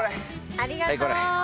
ありがとう！